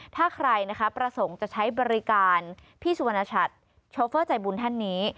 ถ้าใครนะคะประสงค์จะใช้บริการพี่สุวรรณชัดโชเฟอร์ใจบุญท่านนี้